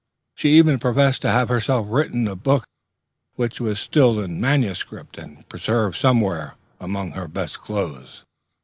She even professed to have herself written a book, which was still in manuscript, and preserved somewhere among her best clothes.